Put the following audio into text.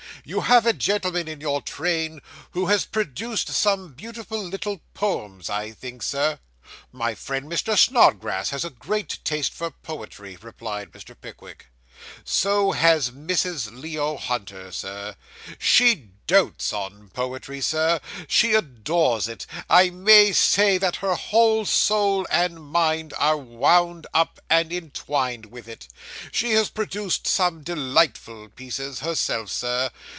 'You have a gentleman in your train, who has produced some beautiful little poems, I think, sir.' 'My friend Mr. Snodgrass has a great taste for poetry,' replied Mr. Pickwick. 'So has Mrs. Leo Hunter, Sir. She dotes on poetry, sir. She adores it; I may say that her whole soul and mind are wound up, and entwined with it. She has produced some delightful pieces, herself, sir.